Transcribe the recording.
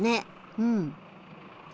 うん。